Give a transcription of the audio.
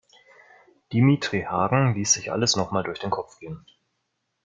Dimitri Hagen ließ sich alles noch mal durch den Kopf gehen.